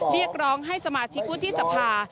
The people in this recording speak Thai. เรียกร้องให้สมาชิกวุฒิสภา